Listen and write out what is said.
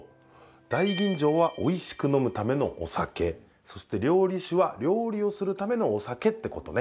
大吟醸はおいしく飲むためのお酒そして料理酒は料理をするためのお酒ってことね。